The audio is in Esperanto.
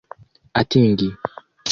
atingi